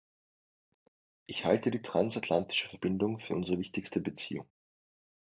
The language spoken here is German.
Ich halte die transatlantische Verbindung für unsere wichtigste Beziehung.